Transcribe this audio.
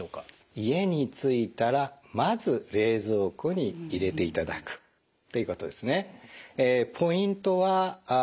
家に着いたらまず冷蔵庫に入れていただくということですね。